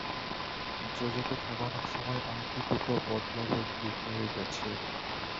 জোজোকে ক্ষেপানোর সময় আংটি দুটো বদলাবদলি হয়ে গেছে।